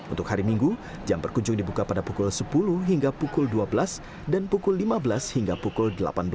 untuk hari minggu jam berkunjung dibuka pada pukul sepuluh hingga pukul dua belas dan pukul lima belas hingga pukul delapan belas